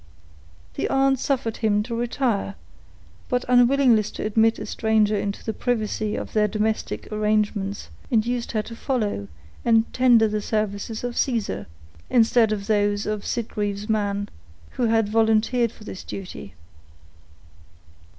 The aunt suffered him to retire; but unwillingness to admit a stranger into the privacy of their domestic arrangements induced her to follow and tender the services of Caesar, instead of those of Sitgreaves' man, who had volunteered for this duty.